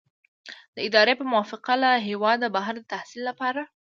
د ادارې په موافقه له هیواده بهر د تحصیل لپاره.